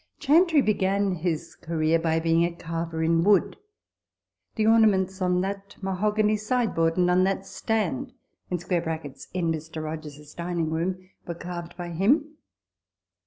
" Chantrey began his career by being a carver in wood. The ornaments on that mahogany side board, and on that stand [in Mr. Rogers's dining room] were carved by him.